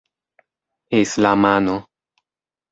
islamano